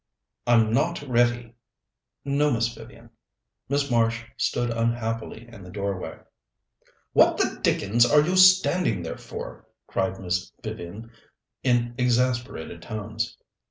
"I'm not ready." "No, Miss Vivian." Miss Marsh stood unhappily in the doorway. "What the dickens are you standing there for?" cried Miss Vivian in exasperated tones.